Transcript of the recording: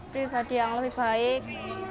pribadi yang lebih baik